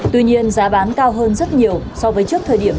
tuy nhiên giá bán cao hơn rất nhiều so với trước thời điểm